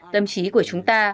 tâm trí của chúng ta